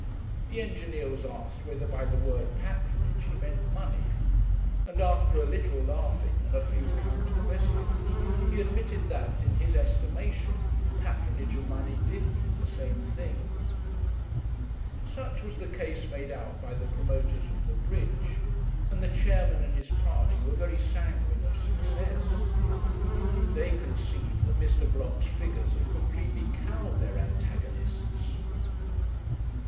The engineer was asked whether by the word patronage he meant money, and after a little laughing and a few counter questions, he admitted that, in his estimation, patronage and money did mean the same thing. Such was the case made out by the promoters of the bridge, and the chairman and his party were very sanguine of success. They conceived that Mr. Blocks' figures had completely cowed their antagonists.